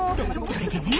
それでね。